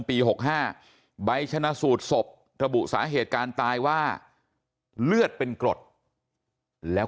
ปี๖๕ใบชนะสูตรศพระบุสาเหตุการตายว่าเลือดเป็นกรดแล้ว